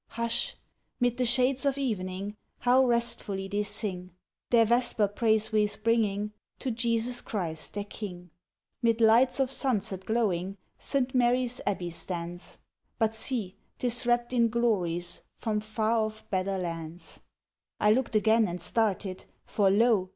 Hush! mid the shades of evening, How restfully they sing, Their Vesper praise wreaths bringing To Jesus Christ their King. 'Mid lights of sunset glowing, St. Mary's Abbey stands; But see! t'is wrapped in glories, From far off better Lands." I looked again, and started, For lo!